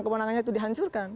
kewenangannya itu dihancurkan